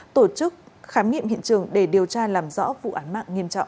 tổ chức khám nghiệm hiện trường để điều tra làm rõ vụ án mạng nghiêm trọng